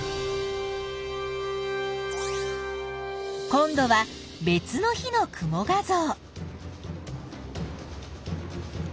今度は別の日の雲画像。